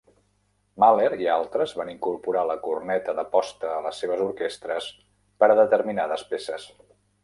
Mahler i altres van incorporar la corneta de posta a les seves orquestres per a determinades peces.